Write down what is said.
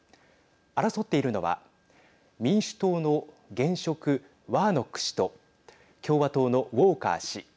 争っているのは民衆党の現職ワーノック氏と共和党のウォーカー氏。